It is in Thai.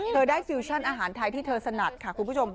เธอได้ฟิวชั่นอาหารไทยที่เธอสนัดค่ะคุณผู้ชม